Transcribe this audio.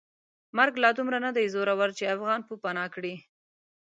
مرګ لا دومره ندی زورور چې افغان پوپناه کړي.